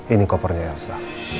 ini kopernya elsa